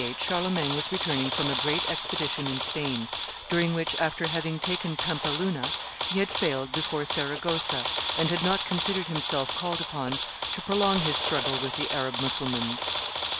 In 778 Charlemagne was returning from a great expedition in Spain, during which, after having taken Pampeluna, he had failed before Saragossa, and had not considered himself called upon to prolong his struggle with the Arab Mussulmans.